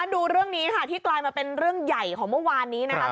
ดูเรื่องนี้ค่ะที่กลายมาเป็นเรื่องใหญ่ของเมื่อวานนี้นะคะ